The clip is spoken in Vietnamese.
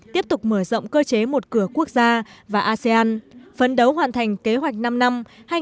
tiếp tục mở rộng cơ chế một cửa quốc gia và asean phân đấu hoàn thành kế hoạch năm năm hai nghìn một mươi sáu hai nghìn hai mươi